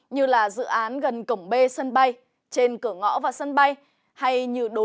như là dự án gần cổng b sân bay